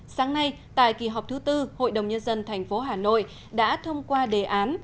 sáng nay tại kỳ họp thứ tư hội đồng nhân dân tp hà nội đã thông qua đề án